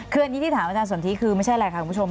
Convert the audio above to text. คืออันนี้ที่ถามอาจารย์สนทิคือไม่ใช่อะไรค่ะคุณผู้ชม